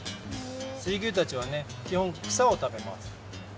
水牛たちはねきほんくさを食べます！